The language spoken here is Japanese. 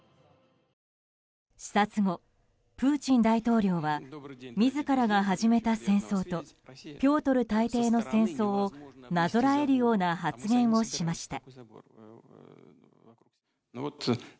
視察後、プーチン大統領は自らが始めた戦争とピョートル大帝の戦争をなぞらえるような発言をしました。